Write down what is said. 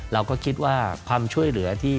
เราก็คิดว่าความช่วยเหลือที่